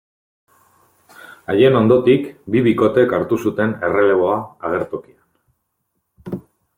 Haien ondotik, bi bikotek hartu zuten erreleboa agertokian.